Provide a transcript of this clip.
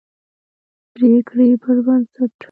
پرېکړې پربنسټ